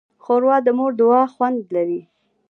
ښوروا د مور د دعا خوند لري.